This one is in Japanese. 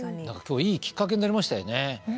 何か今日いいきっかけになりましたよね。